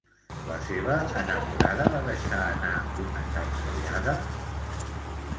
La seva enamorada va deixar anar una carcallada?